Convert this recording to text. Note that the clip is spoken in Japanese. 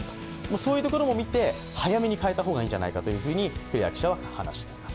そういうところも見て早めに代えた方がいいんじゃないかとクレア記者は見ています。